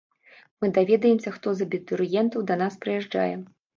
Мы даведаемся, хто з абітурыентаў да нас прыязджае.